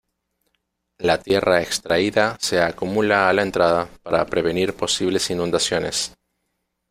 La tierra extraída se acumula a la entrada, para prevenir posibles inundaciones.